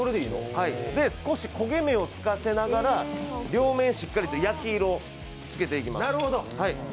少し焦げ目をつかせながら両面しっかりと焼き色をつけていきます。